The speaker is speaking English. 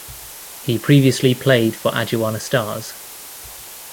He previously played for Aduana Stars.